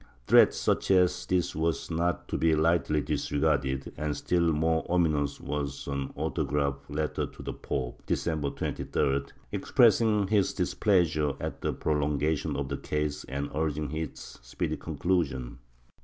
Threats such as this were not to be lightly disregarded, and still more ominous was an autograph letter to the pope, December 23d, expressing his displeasure at the pro longation of the case and urging its speedy conclusion.